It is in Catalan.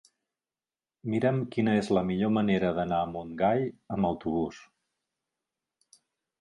Mira'm quina és la millor manera d'anar a Montgai amb autobús.